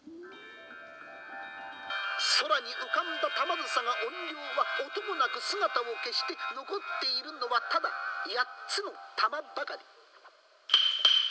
「空に浮かんだ玉梓が怨霊は音もなく姿を消して残っているのはただ８つの玉ばかり」。